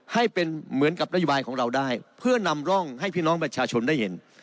ให้เป็นเหมือนกับนโยบายของเราได้เพื่อนำร่องให้พี่น้องประชาชนได้เห็น